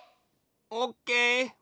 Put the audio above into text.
オッケー。